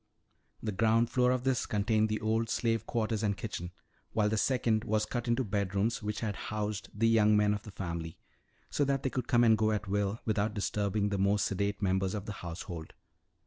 The ground floor of this contained the old slave quarters and kitchens, while the second was cut into bedrooms which had housed the young men of the family so that they could come and go at will without disturbing the more sedate members of the household.